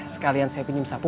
sekalian saya pinjam sapu